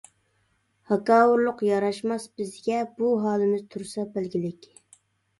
ھاكاۋۇرلۇق ياراشماس بىزگە، بۇ ھالىمىز تۇرسا بەلگىلىك.